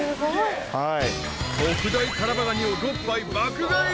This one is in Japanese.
［特大タラバガニを６杯爆買い。